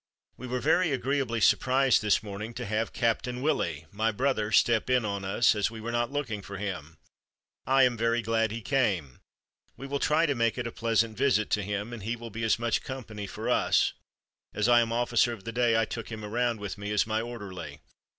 "We were very agreeably surprised this morning to have Captain Willie [my brother] step in on us, as we were not looking for him. I am very glad he came. We will try to make it a pleasant visit to him, and he will be much company for us. As I am 'officer of the day,' I took him around with me as my 'orderly'!